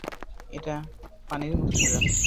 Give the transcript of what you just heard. এটা পানির মতোই সোজা।